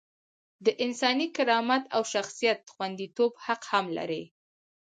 د انساني کرامت او شخصیت خونديتوب حق هم لري.